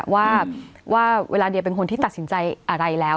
ว่าเวลาเดียเป็นคนที่ตัดสินใจอะไรแล้ว